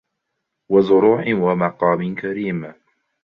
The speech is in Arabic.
وزروع ومقام كريم